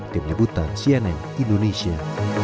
tim dibutan cnn indonesia